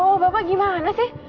wow bapak gimana sih